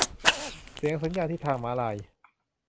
เสียงสัญญาณที่ทางม้าลาย